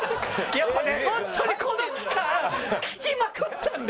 やっぱねホントにこの期間聴きまくったんで。